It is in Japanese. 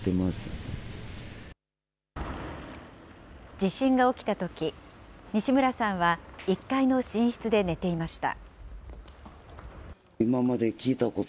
地震が起きたとき、西村さんは１階の寝室で寝ていました。